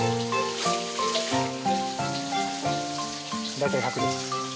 大体１００です。